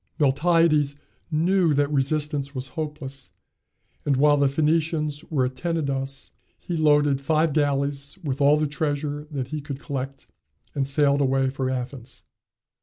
Miltiades knew that resistance was hopeless, and while the Phoenicians were at Tenedos, he loaded five galleys with all the treasure that he could collect, and sailed away for Athens.